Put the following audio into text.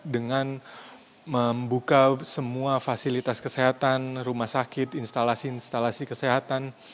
dengan membuka semua fasilitas kesehatan rumah sakit instalasi instalasi kesehatan